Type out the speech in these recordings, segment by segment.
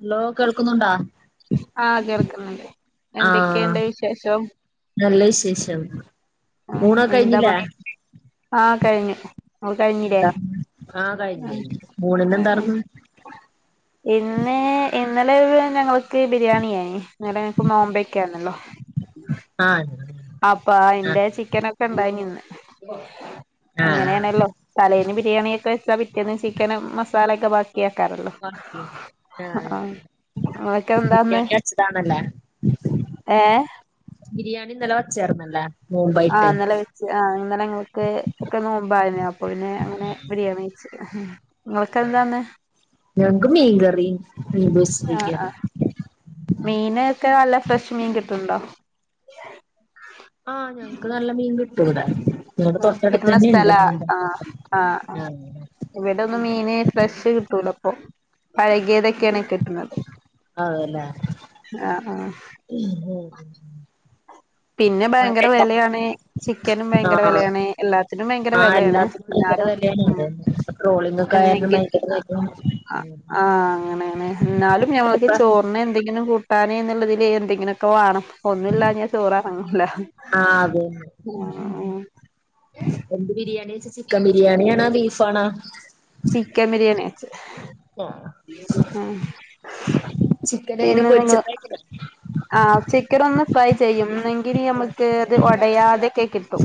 Hello കേൾക്കുന്നുണ്ടാ? ആഹ് കേൾക്കുന്നുണ്ട്. ആഹ് എന്തെക്കെണ്ട് വിശേഷം നല്ല വിശേഷം. ആഹ് ഊണൊക്കെ എന്താ കഴിഞ്ഞിലെ പണി ആഹ് കഴിഞ്ഞ്. [unintelligible] കഴിഞ്ഞിലേ എന്താ കഴിഞ്ഞ് ആഹ് കഴിഞ്ഞ് ആഹ് ഊണിനെന്താർന്ന് ഇന്ന് ഇന്നലെ ഒര് ഞങ്ങൾക്ക് ബിരിയാണിയായ്നി. ഇന്നലെ ഞങ്ങക്ക് നോമ്പെക്കേന്നല്ലോ ആഹ് അപ്പൊ അയിന്റെ ആഹ് ചിക്കനൊക്കെ ഇണ്ടായിനിന്ന് ആഹ് അങ്ങനേണല്ലോ. തലേന്ന് ബിരിയാണിയൊക്കെ വെച്ചാ പിറ്റേന്ന് ചിക്കനും മസാലയൊക്കെ ബാ ക്കിയേക്കാരല്ലോ ആഹ് ഇങ്ങക്കെന്താന്ന്? ബിരിയാണി വെച്ചതാണല്ലേ ഏഹ്? ബിരിയാണി ഇന്നലെ വെച്ചാർന്നല്ലേ ആഹ് ഇന്നലെ വെ ച്ച്. ആഹ് ഇന്നലെ ഞങ്ങൾക്ക് ഒക്കെ നോമ്പായിന അപ്പൊ പിന്നെ അങ്ങനെ ബിരിയാണി [unintelligible] ഇങ്ങൾക്കെന്താന്ന് ഞങ്ങക്ക് മീൻകറീം ആ ആഹ് മീനൊക്കെ നല്ല ഫ്രഷ് മീൻകിട്ടണ്ടോ ആഹ് ഞങ്ങക്ക് നല്ല മീൻ കിട്ടു ഇവടെ ഉം കിട്ടണസ്ഥലാ ആഹ ആഹ് ആഹ് ഇവെടൊന്നു മീന് ഫ്രഷ് കിട്ടൂലപ്പൊ പഴകിയതൊക്കേണ് കിട്ടണത് അതെല്ലേ ഉം പിന്നെ ഭയങ്കര വെലയാണ് ചിക്കനും ഭയങ്കര ആഹ് വെലയാണ് എല്ലാത്തിനും ഭയങ്കര ആഹ് വെലേണ്. എല്ലാത്തിനും ഭയങ്കര ഇന്നാലും വിലയാണ് ഉം അതന്നെ ഇപ്പ ട്രോളിംഗ് ഒക്കെ കാരണം ഭയങ്കര [unintelligible] വിലയാണ് ആഹ് അങ്ങനേണ് ഇന്നാലും ഞമ്മക്ക് ഈ ഇപ്പ ചോറിനെന്തെങ്കിലും കൂട്ടാന് എന്നുള്ളതില് എന്തെങ്കിലൊക്കെ വാണം ഒന്നുല്ലാഞ്ഞാ ചോററുങ്ങുലാ ആഹ് ആഹ് അതന്നെ എന്ത് ബിരിയാണിവെച്ച ചിക്കൻ ബിരിയാണിയാണോ ബീഫ് ആണാ ചിക്കൻ ബിരിയാണിയാ വെച്ചത് ആഹ് ആഹ് ചിക്കൻ എങ്ങനെ പിന്നെ നിങ്ങള പൊരിച്ചിട്ടാക്കണെ ആഹ് ചിക്കനൊന്ന് ഫ്രൈ ചെയ്യും ഇന്നെങ്കില് ഞമ്മക്ക് അത് ഒടയാതെക്കെ കിട്ടും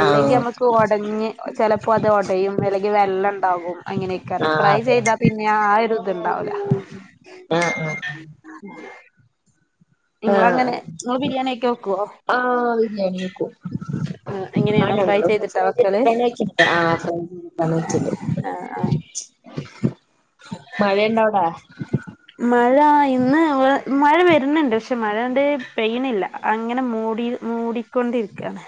അല്ലെങ്കി ആഹ് അമ്മക്ക് ഒടഞ്ഞ് ചെലപ്പോ അത് ഒടയും അല്ലെങ്കി വെള്ളണ്ടാകും അങ്ങനെയ്ക്കാരം ആഹ് ഫ്രൈ അതെ ചെയ്താ പിന്നെ ആ ഒര് ഇത്ണ്ടാവൂല ആഹ് ആഹ് ആഹ് നിങ്ങളങ്ങനെ നിങ്ങള് ബിരിയാണിയൊക്കെ വെക്കുവോ ആഹ് ആ ബിരിയാണി വെക്കും. ആഹ് എങ്ങനെയാണോ ഞങ്ങളും ചെയ്തിട്ടാ ഫ്രൈ വെക്കല് ചെയ്തിട്ടാണ് വെച്ചത് ആഹ് ഫ്രൈ ചെയ്തിട്ടാണ് വെച്ചത് ആഹ് ആഹ് മഴയണ്ട അവിടെ? മഴ ഇന്ന് മഴ വെര്ന്ണ്ട് പഷെ മഴങ്ങട്ട് പെയ്ണില്ല അങ്ങനെ മൂടി മൂടിക്കൊണ്ടിരിക്കാണ്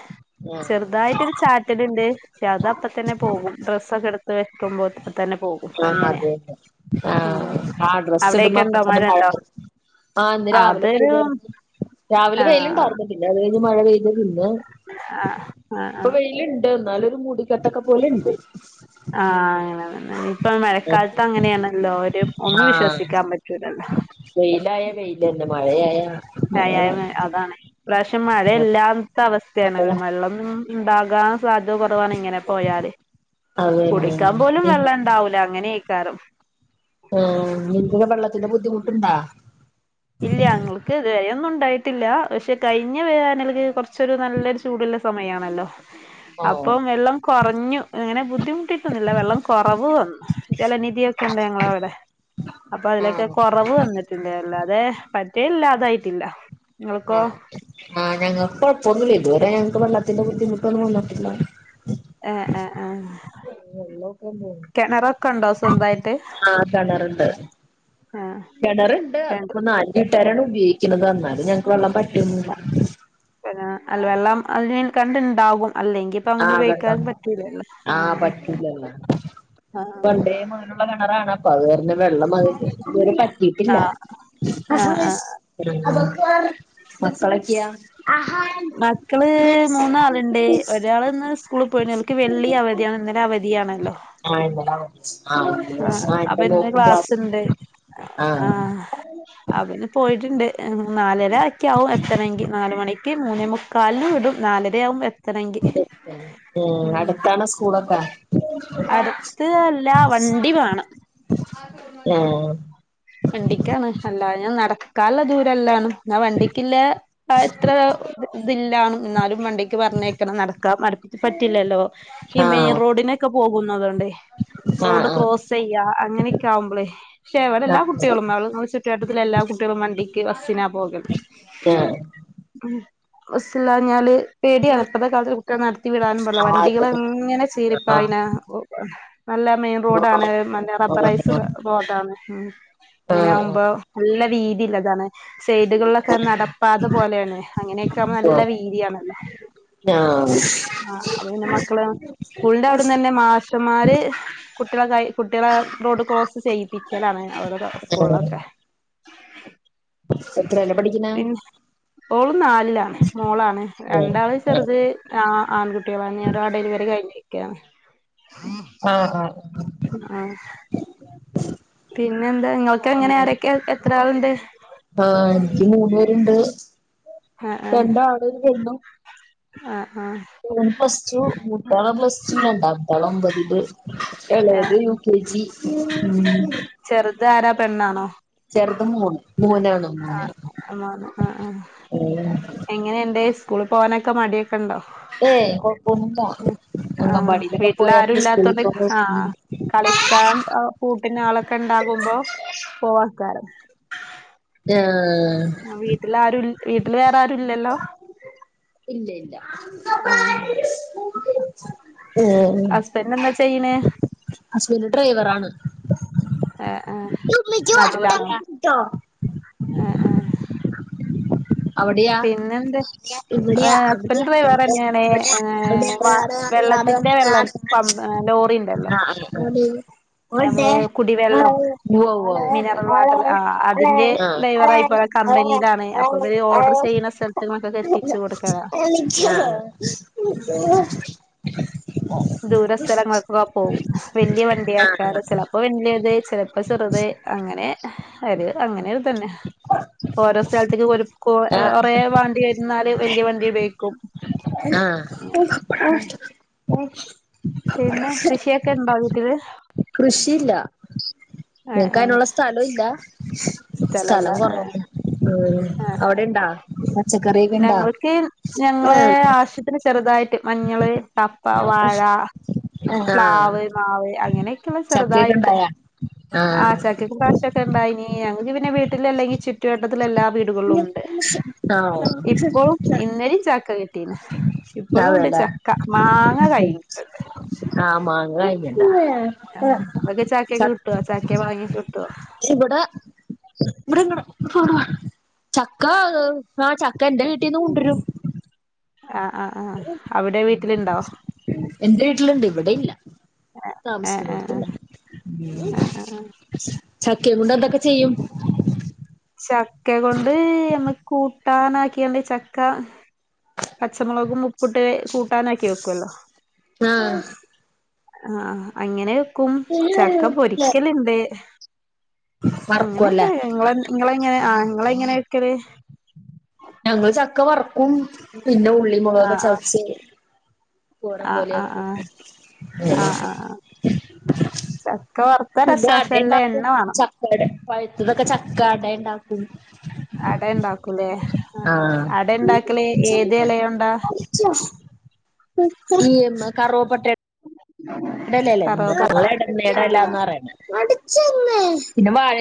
ആഹ് ചെറുതായിട്ടൊരു ചാറ്റ റ്റല്ണ്ട് പക്ഷെ അത് അപ്പ തന്നെ പോകും ഡ്രസൊക്കെ എടുത്ത് വെക്കുമ്പോതന്നെ പോകും ആഹ് അങ്ങനെ അതെന്നെ ആഹ് ആഹ് ഡ്രെസ [unintelligible] അവിടെയൊക്കെ ഉണ്ടോ മഴ മഴയുണ്ടോ? ആഹ് ഇന്ന് രാവിലെ അതൊരു പെയ്താരുന്നു രാവിലെ ആഹ് വെയിലുണ്ടാരുന്നു പിന്നെ അത് കയിഞ്ഞ് മഴ പെയ്ത പിന്നെ ആഹ് ആഹ് ഇപ്പൊ ആഹ് വെയില് ണ്ട് എന്നാലൊരു മുടിക്കെട്ടക്കെ പോലെണ്ട് ആഹ് അങ്ങനെന്നെ തന്നെ ഇപ്പൊ മഴക്കാലത്ത് അങ്ങനെയാണല്ലോ ഒര് ഒന്നുവിശ്വസിക്കാൻ പറ്റൂലല്ലോ വെയിലായ വെയില് തന്നെ മഴയായ മഴ മയയാ അതാണ് ഇപ്രാവശ്യ മഴ എല്ലാം മഴ ല്ലാത്തവസ്ഥയാണല്ല വെള്ളം ഉണ്ടാകാൻ സാധ്യത കൊറവാണ് ഇങ്ങനെ പോയാല് അതന്നെ കുടിക്കാൻ പോലും വെള്ളഇണ്ടാവൂല അങ്ങനെയിക്കാരം ആഹ് നിൻക്കെക്കെ വെള്ളത്തിന്റെ ബുദ്ധിമുട്ടുണ്ടോ ഇല്ല ങ്ങൾക്ക് ഇരുവരയൊന്നും ഉണ്ടായിട്ടില്ല പക്ഷെ കഴിഞ്ഞ വേനല്ക്ക് കൊറച്ചരു നല്ലൊരു ചൂടുല്ലെ സമയയാണല്ലോ ഓഹ് അപ്പം വെള്ളം കൊറഞ്ഞു അങ്ങനെ ബുദ്ധിമുട്ടിട്ടൊന്നില്ല വെള്ളം കൊറവ് വന്നു ജലനിധിയൊക്കെണ്ട് ഞങ്ങള വിടെ അപ്പൊ അതിലൊക്കെ ആഹ് കൊറ കെറവ് വന്നിട്ടിണ്ട് അല്ലാതെ പറ്റേ ഇല്ലാതായിട്ടില്ല നിങ്ങൾക്കോ ആഹ് ആ ഞങ്ങക്കൊഴപ്പൊന്നുല്ല ഇതുവരെ ഞങ്ങക്ക് വെള്ളത്തിന്റെ ബുദ്ധിമുട്ടൊന്നും വന്നിട്ടില്ല ഏഹ് ഏഹ് ഏഹ് വെള്ളൊക്കെ ഉണ്ടോ കെണറൊക്കെ ഉണ്ടോ സ്വന്തായിട്ട് ആഹ് കെണറുണ്ട് ആഹ് കെണറുണ്ട് വേണ്ട അതിപ്പോ നാല് വീട്ടാരാണ് ഉപയോഗിക്കണത് എന്നാലുഞങ്ങക്ക് വെള്ളം വറ്റുയൊന്നുല്ല പിന്നാ അല്ല വെളളം അതന് കണ്ടുണ്ടാകും അല്ലെങ്കിൽ ഇപ്പ അങ്ങനെ ആഹ് ഉപയോഗിക്കാൻ വെള്ളമുണ്ട് പറ്റുലല്ലോ ആഹ് ആഹ് ഉള്ള കിണറാണപ്പം അയ് കാരണം വെള്ളം പറ്റിട്ടില്ല ആഹ് ആഹ് ആഹ് മക്കളൊക്ക്യ മക്കള് മൂന്നാളുണ്ട് ഒരാള് ഇന്ന് സ്കൂള്പോയി ഓൽക്ക് വെള്ളി അവധിയാണ് ഇന്നലെ അവധിയാണല്ലോ ആ ഇന്നലെ അവധിയാ ആഹ് ആ അപ്പൊ ഇന്റെ ഇന്ന് മോൾക്കും ക്ലാസ് ക്ലാസ്ണ്ട് ഇണ്ട് ആഹ് അവന് പോയിട്ടുണ്ട് നാലരൊക്യ ആവും എത്തണെങ്കി നാല് മണിക്ക് മൂന്നേ മുക്ക ക്കാലിന് വിടും നാലരയാവും എ ത്തണങ്കി ഉം അടുത്താണോ സ്കൂളൊക്കെ അടുത്ത് അല്ല വണ്ടി വാണം ആഹ് വണ്ടിക്കാണ് അല്ലാഞാ നടക്കാല്ല ദൂരല്ലാണ് എന്നാ വണ്ടിക്കില്ലേ ആ ഇത്ര ഇതില്ലാണും ഇന്നാലും വണ്ടിക്ക് പറഞ്ഞേയക്കണം നടക്കാം അടു പറ്റില്ലല്ലോ ഈ മെയിൻ ആഹ് റോഡിനൊ ക്കെ പോകുന്നതോണ്ടേയ് ആഹ് റോഡ് ആഹ് ക്രോസ് ചെയ്യ അങ്ങനെയൊക്കെ ആവുമ്പളേയ് പക്ഷേ ഇവടെ എല്ലാ കു ആഹ് ഞങ്ങളും ഞങ്ങളെ ചുറ്റ് വട്ടത്തി ഉള്ള എല്ലാ കുട്ടികളും വണ്ടിക്ക് ബസ്സിനാ പോകല് ആഹ് ഉം ബസ്സില്ലാ ഞാല് പേടിയാണ് ഇപ്പത്തെ കാലത്ത് കുട്ടിയാളെ നടത്തി വിടാനും പാട്ല്ല ആഹ് വണ്ടികള് ഇങ്ങനെ ചീരിപ്പായിണ നല്ല മെയിൻ റോഡാണ് മറ്റേ റബ്ബറൈസ് റോഡാണ് ഉം ഇങ്ങനെ ആവുമ്പോ നല്ല വീതി ഇള്ളതാണ് സൈഡുകളിലൊക്കെ നടപ്പാത പോലെയാണ് അങ്ങനെയൊകാവുമ്പോ നല്ല വീതിയാണല്ലോ ആഹ് ആ അപ്പ പിന്നെ മക്കള് സ്കൂളിന്റെ ആഹ് അവിടന്ന് തന്നെ മാഷന്മാര് കുട്ടികളെ കൈ കുട്ടികളെ റോഡ് ക്രോസ് ചെയ്യിപ്പിക്കലാണ് അവരുടെ ആഹ് സ്കൂളിലൊക്കെ എത്രേലാ പഠിക്കണേ പിന്നെ ഓള് നാലിലാണ് മോളാണ് രണ്ടാള് ചെറുത് ആഹ് ആൺകുട്ടികളാണ് ഒരു ആ ഡെലിവറി കഴിഞ്ഞ് നിക്കാണ് ആഹ് ആഹ് പിന്നെ എന്താ? ഇങ്ങൾക്ക് എങ്ങനെ ആരൊക്കെ? എത്ര ആള്ണ്ട്? ആഹ് ഇൻക്ക് മൂന്ന് പേരുണ്ട്. രണ്ടാണും ഒരു പെണ്ണും. ആഹ് ആഹ് [unintelligible] പ്ലസ് ടു മൂത്താള് പ്ലസ് ടു. രണ്ടാമത്താള് ഒമ്പതില് ആ എളയത് യു കെ ജി. ഉം ചെറുതാരാ? പെണ്ണാണോ? ചെറുത് മോണ്. മോനാണ്. മോന് ആഹ് മോന്. ആഹ് ആഹ് എ എങ്ങനേണ്ട്? സ്കൂളി പോകാനൊക്കെ മടിയൊക്കേണ്ടോ? ഏയ് കുഴപ്പൊന്നുല്ല ആ അംഗൻവാടിയിലൊക്കെ വീട്ടിൽ പോയ കാരണം കൊണ്ട് സ്കൂല് പോ [unintelligible] ക്കാൻ ആഹ് കൂട്ടിന് ആളൊക്കെണ്ടാകുമ്പോ പോവാക്കാരം ആഹ് ആഹ് വീട്ടിൽ ആരു, വീട്ടില് വേറെ ആരുല്ലല്ലോ. ഇല്ല ഇല്ല ആ ഉം ഹസ്ബൻഡ് എന്താ ചെയ്യിണെ? ഹസ്ബൻഡ് ഡ്രൈവർ ആണ് ആഹ് ആഹ് നാട്ടിലാണോ? വർത്താനം കേട്ടോ ആഹ് ആഹ് പിന്നെന്ത് അവിടെയാ? ഏഹ് ഹസ്ബൻഡ് ആഹ് ഡ്രൈവറെന്നേണ് ഏഹ് വ ആഹ് വെള്ളത്തിന്റെ വെള്ളം ആഹ് പമ്പ് ലോറി ഇണ്ടല്ലോ ഉവ്വ ഉവ്വാ നമ്മള് കുടിവെള്ളം [unintelligible] മിനറൽ വാട്ടർ ആഹ് ആഹ് അതിന്റെ ഡ്രൈവറായി ആ ഇപ്പ കമ്പനിയിലാണ് അപ്പൊ ഇവര് ആ ഓർഡർ ചെയ്യുന്ന സ്ഥലത്ത് [unintelligible] എത്തിച്ചു കൊടുക്കലാ ആഹ് [unintelligible] ദൂര സ്ഥലങ്ങൾക്കൊക്കെ പോവും. വല്യ വണ്ടി [unintelligible] ചെലപ്പ വല്യത്, ചെലപ്പ ചെറുത് അങ്ങനെ അവര് അങ്ങനെ ഒര്തന്നെ ഓരോ സ്ഥലത്തേക്ക് ഓര് കൊ ആ കൊറെ വണ്ടി വെര്ന്നാല് വല്യ വണ്ടി ഉപയോഗിക്കും ആഹ് ഉം പിന്നെ കൃഷിയൊക്കെ ഉണ്ടോ വീട്ടില് കൃഷി ഇല്ല ഏഹ് ഏഹ് നിങ്ങക്കയിനുള്ള സ്ഥലൊയില്ല സ്ഥലല്ല. ആഹ് ആഹ് ആഹ് അവിടെണ്ടാ പച്ചക്കറിയൊക്കെ ഇണ്ടാ ഞങ്ങൾക്ക് ഞങ്ങളെ ആശു പിന്നെ ചെറുതായിട്ട്. മഞ്ഞള്, കപ്പ, വാഴ ആഹ് പ്ലാവ്, മാവ് അങ്ങനെയൊക്കെയുള്ള ചക്കയൊക്കെ ചെറുതായിട്ട്. ഇണ്ടായാ ആ ആഹ് ചക്കയ്ക്ക് ഇപ്രാശ്യം ക്കണ്ടായിനി. ഞങ്ങൾക്ക് പിന്നെ വീട്ടിലല്ലെങ്കി ചുറ്റുവട്ടത്തിലെല്ലാ വീടുകളിലുമുണ്ട്. ആഹ് ഇപ്പോ ഇന്നലേം ചക്ക കിട്ടീന് ഇപ്പോളുണ്ട് ചക്ക മാങ്ങ കൈയിട്ട് ആ മാങ്ങ കയിഞ്ഞ്ട്ടാ ആഹ് നിങ്ങക്ക് ചക്കയൊക്കെ കിട്ട്വോ? ചക്കയും മാങ്ങയും ഒക്കെ കിട്ടോ? ക്ഷേ ഇവടെ ഇവിടെങ്ങട് [unintelligible] ചക്ക ഏഹ് ആഹ് ചക്ക എന്റെ വീട്ടിന്ന് കൊണ്ടരും ആഹ് ആഹ് ആഹ് അവിടെ വീട്ടിലുണ്ടോ? എന്റെ വീട്ടിലുണ്ട് ഇവിടെ ഇല്ല ഏഹ് ഏഹ് ഏഹ് താമസിക്കുന്നോടത്തില്ല ഏഹ് ഏഹ് ഏഹ് ഏഹ് ചക്കേംകൊണ്ട് എന്തക്കെ ചെയ്യും? ചക്ക കൊണ്ട് നമ്മക്ക് കൂട്ടാനാക്കിണ്ട് ചക്ക പച്ചമുളകും ഉപ്പിട്ട് കൂട്ടാനാക്കി വെക്കുവല്ലോ ആഹ് ആഹ് അങ്ങനെ വെക്കും ചക്ക പൊരിക്കലുണ്ട് അങ്ങനെ വറക്കുവല്ലേ നിങ്ങള് നിങ്ങളെങ്ങനെ ആ നിങ്ങളെങ്ങനെ വെക്കല് ഞങ്ങള് ചക്ക വറക്കും പിന്നെ ഉള്ളി മുളകക്കെ ആഹ് ചതച്ച് തോരൻ ആഹ് പോലെ ആഹ് വെക്കും ആഹ് ആഹ് ഉം ആഹ് ആഹ് ആഹ് ചക്ക വറുത്ത പിന്നെ രസാ പക്ഷെ നല്ല അടയിണ്ടാക്കും എണ്ണ വേണം ചക്കട പഴുത്തതക്കെ ചക്ക അട ഇണ്ടാക്കും അട ഇണ്ടാക്കൂലേ അടയിണ്ടാക്കലേ ഏത് എലയൊണ്ടാ ഈ കറുവപ്പട്ട ടല്ലല്ലേ കറുവപ്പട്ട ആഹ് [unintelligible]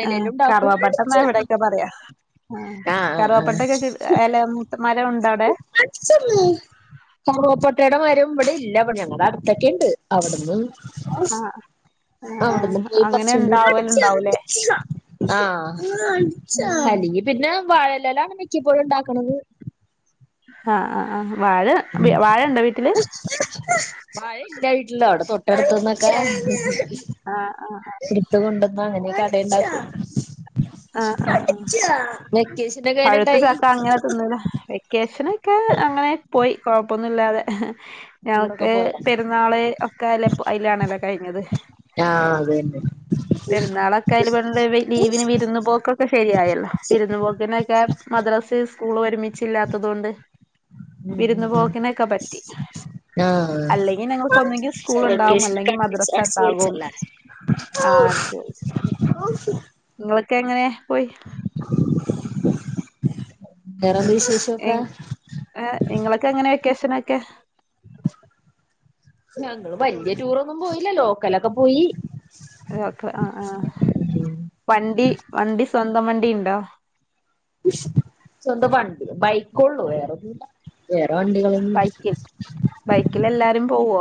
ആഹ് കറുവപ്പട്ടെന്ന ഇവിടക്കെ പറയാ ആ ആഹ് ആഹ് കറുവപ്പെട്ടക്കെ കി എല മൂത്ത മരോണ്ടവിടെ അടിച്ചുമ്മി കറുവപ്പട്ടടെ മരം ഇവിടെയില്ല ഞങ്ങടെ അടുത്തൊക്കെയിണ്ട് അവിടുന്ന് ആഹ് ഏഹ് അവിടന്നു പോയി പറിച്ചോണ്ട് വരും ആഹ് അല്ലെങ്കി പിന്നെ വാഴയിലലാണ് മിക്കപ്പോഴുണ്ടാക്കണത് ആഹ് ആഹ് ആഹ് വാഴ വാഴയിണ്ട വീട്ടില് വാഴയില്ലാ വീട്ടില് അവടെ തൊ ട്ടടുത്തുന്നൊക്കെ ആഹ് ആഹ് [unintelligible] ത് കൊണ്ടന്ന അങ്ങനെക്കെ അടയിണ്ടാക്കും ആഹ് ആഹ് വെക്കേഷനൊക്കെ പഴുത്ത എങ്ങനെണ്ടായി ചക്ക അങ്ങനെ തിന്നില വെ ക്കേഷനക്കെ അങ്ങനെ പോയി കൊഴപ്പന്നുല്ലാതെ ടൂറൊക്കെ ഞങ്ങക്ക് പോയാ പെരുന്നാള് ഒക്കെ അല്ല അയിലാണല്ലോ കഴിഞ്ഞത് ആഹ് അതന്നെ പെരുന്നാളക്കെ [unintelligible] ലീവിന് വിരുന്നു പോക്കൊക്കെ ശരിയായല്ലേ വിരുന്നു പോക്കിനൊക്കെ മദ്രാസ് സ്കൂള് ഒരുമിച്ചില്ലാത്തതുകൊണ്ട് ഉം ഉം വിരുന്നു ഉം പോക്കിനക്കെ പറ്റി ആഹ് അല്ലെങ്കി ഞങ്ങക്ക് ഒന്നെങ്കി സ്കൂളുണ്ടാവും വെക്കേഷനൊക്കെ അല്ലെങ്കി അടിച്ച് അടിച്ച് മദ്രസണ്ടാവും പൊളിച്ചല്ലേ ആഹ് അടച്ചൾച്ച് നിങ്ങളക്കെങ്ങനെ പോയി വേറെന്ത് വിശേഷോക്കെ ഏഹ് ഇങ്ങൾക്കെങ്ങനെ വെക്കേഷനൊക്കെ ഞങ്ങള് വല്ല്യ ടൂറൊന്നും പോയില്ല ലോക്കലൊക്കെ പോയി. അതക്കെ ആഹ് ആഹ് ഉം വണ്ടി വണ്ടി സ്വന്തം വണ്ടി ഉണ്ടോ സ്വന്തം വണ്ടി ബൈക്കോള്ളു വേറൊന്നുല്ല. വേറെ വണ്ടികളൊന്നുല്ല ബൈക്കിൽ ബൈക്കിൽ എല്ലാരും പോവോ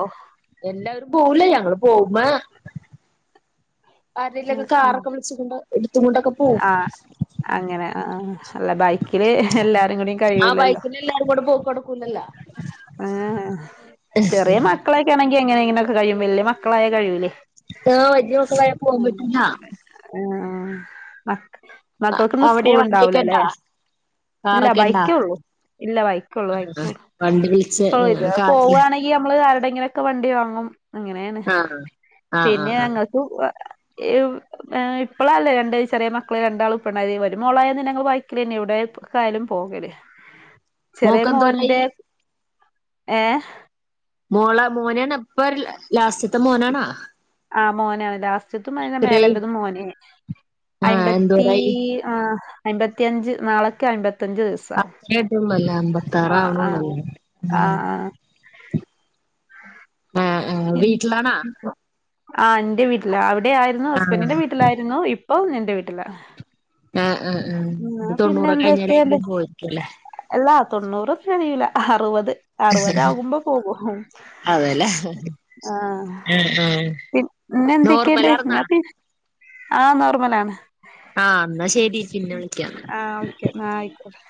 എല്ലാരും പോവൂലേ ഞങ്ങള് പോവുമ്പ ആ ആരെലൊക്കെ ആ. കാറൊക്കെ വിളിച്ചൊണ്ട് എടുത്തുകൊണ്ടൊക്കെ പോവും. ആ, അങ്ങനെ ആഹ് അല്ല ബൈക്കില് എല്ലാരും കൂടിം ആ കയ്യുലല്ലോ ബൈക്കിന് എല്ലാരും കൂടെ പോക്ക് നടക്കൂലല്ലോ എഹ് എഹ് ചെറിയ മക്കളെ ക്ക്യാണെങ്ങി എങ്ങെനേനൊക്കെ കഴിയും വല്യ മക്കളായ കഴിയൂലേ ആഹ് വല്യമക്കളായ ഉം ആഹ് മക്കൾക്കിന്ന് അവിടെ സ്കൂൾ വണ്ടിയൊക്കെ ഉണ്ടാവൂലല്ലേ ഇണ്ടാ ഇല്ല കാറൊക്കെ ഇണ്ടാ ബൈക്കെള്ളൂ ഇല്ല ബൈക്കള്ളൂ ആ ബൈക്കുള്ളൂ വണ്ടി വിളിച്ച് ഇപ്പോ ഇത് കാറില് പോവുവാണെങ്കിൽ നമ്മള് ആരുടെങ്കിലൊക്കെ വണ്ടി വാങ്ങും അങ്ങനെയാണ് ആ ആ ആ പിന്നെ ആ ഞങ്ങക്ക് എവിട ഏഹ് ഇപ്പളല്ലേ രണ്ട് ചെറിയ മക്കള് രണ്ടാള് ഇപ്പണ്ടായത് ഒര് മോളായന്ന് ഞങ്ങള് ബൈക്കിലെന്നെ എവടെ പോ ക്കായാലും പോകല് ചെറിയ മോക്കെന്തോരായി മോന്റെ ഏഹ് മോളെ മോനാണ് ഇപ്പൊ ലാസ്റ്റത്തെ മോനാണോ ആഹ് മോനാണ് ലാസ്റ്റിത്തും അതിന്റെ എത്രയായി മേലല്ലതും മോന് ആ അയ്മ്പത്തി എന്തോരായി ആഹ് അയ്മ്പത്തിയഞ്ച് നാളക്ക് അയ്മ്പത്തിഞ്ച് ദിവസം അത്രയട്ടൊന്നുല്ല ആ അമ്പത്താറാവണൊള്ളു ഉം ആഹ് ആഹ് എ വീട്ടിലാണാ ആഹ് എന്റെ വീട്ടില അവിടെ ആയിരുന്നു ആഹ് ഹസ്ബൻഡിന്റെ വീ ട്ടിലായിരുന്നു ഇപ്പം എന്റെ വീട്ടിലാ ആഹ് ആഹ് ആഹ് ഉം ന്നാ ഇനി പിന്നെ തൊണ്ണൂറ് എന്തൊക്കെണ്ട് കഴിഞ്ഞാലായിരിക്കും പോയിരിക്കല്ലേ അല്ലാ തൊണ്ണൂറൊന്നും കഴിയൂല അറുപത് അറുപതാകുമ്പോ പോകും അതെല്ലേ ആഹ് ആഹ് ആഹ് പി പിന്നെന്തൊക്കെണ്ട് നോർമലാർന്നാ ന്നാ പി ആഹ് നോർമലാണ് ആഹ് ന്നാ ശരി പിന്നെ വിളിക്കാം ആഹ് ഓക്കെ ന്ന ആയിക്കോട്ടെ